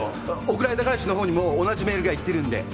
送られた彼氏のほうにも同じメールが行ってるんで。